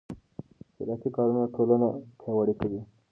خیراتي کارونه ټولنه پیاوړې کوي.